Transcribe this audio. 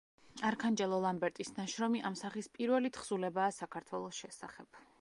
არქანჯელო ლამბერტის ნაშრომი ამ სახის პირველი თხზულებაა საქართველოს შესახებ.